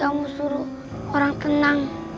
kamu suruh orang tenang